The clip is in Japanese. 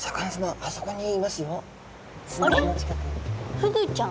フグちゃん？